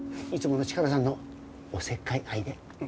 いつものチカラさんのおせっかい愛で。